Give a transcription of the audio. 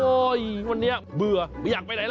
โอ๊ยวันนี้เบื่อไม่อยากไปไหนแล้ว